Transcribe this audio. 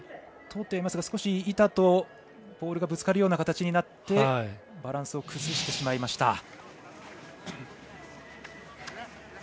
通ってますが少し板とポールがぶつかるような形になってバランスを崩してしまいました。